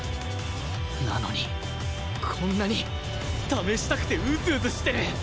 なのにこんなに試したくてウズウズしてる！